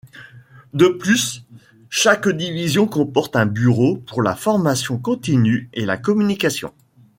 De plus, chaque division comporte un bureau pour la formation continue et la communication.